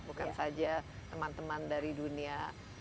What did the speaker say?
bukan saja teman teman dari dunia